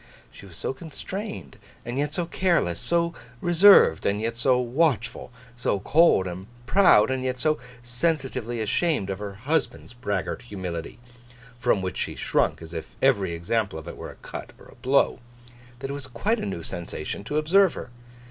She was so constrained, and yet so careless; so reserved, and yet so watchful; so cold and proud, and yet so sensitively ashamed of her husband's braggart humility—from which she shrunk as if every example of it were a cut or a blow; that it was quite a new sensation to observe her.